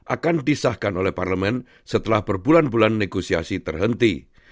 akan disahkan oleh parlemen setelah berbulan bulan negosiasi terhenti